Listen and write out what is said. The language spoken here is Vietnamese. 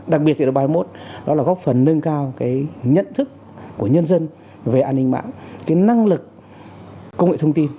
đặc biệt thì là bài mốt đó là góp phần nâng cao nhận thức của nhân dân về an ninh mạng năng lực công nghệ thông tin